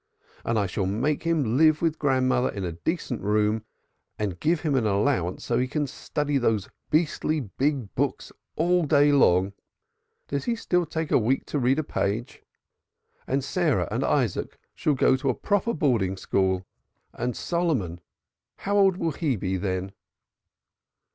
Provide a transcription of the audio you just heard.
and I shall make him live with grandmother in a decent room, and give him an allowance so that he can study beastly big books all day long does he still take a week to read a page? And Sarah and Isaac and Rachel shall go to a proper boarding school, and Solomon how old will he be then?"